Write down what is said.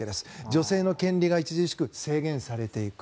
女性の権利が著しく制限されていく。